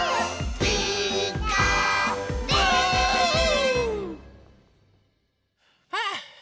「ピーカーブ！」はあ。